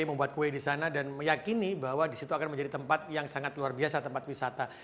membuat kue di sana dan meyakini bahwa di situ akan menjadi tempat yang sangat luar biasa tempat wisata